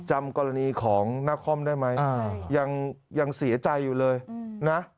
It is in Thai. จำกรณีของน่าคล่อมได้ไหมอ่ายังยังเสียใจอยู่เลยนะ